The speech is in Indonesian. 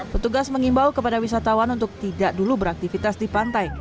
petugas mengimbau kepada wisatawan untuk tidak dulu beraktivitas di pantai